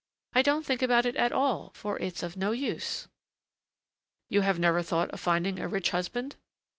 I don't think about it at all, for it's of no use." "You have never thought of finding a rich husband?"